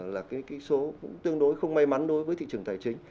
là cái số cũng tương đối không may mắn đối với thị trường tài chính